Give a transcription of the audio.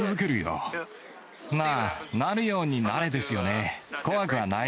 なるようになれですよね。